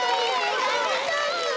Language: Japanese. ありがとう！